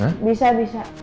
gak bisa peluk terus